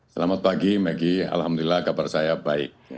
selamat pagi maggie alhamdulillah kabar saya baik